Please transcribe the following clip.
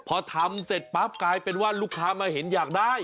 พอทำเสร็จปั๊บกลายเป็นว่าลูกค้ามาเห็นอยากได้